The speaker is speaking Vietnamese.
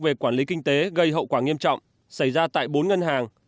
về quản lý kinh tế gây hậu quả nghiêm trọng xảy ra tại bốn ngân hàng